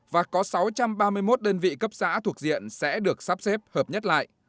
và có sáu trăm ba mươi một đơn vị cấp xã thuộc diện sẽ được sắp xếp hợp nhất lại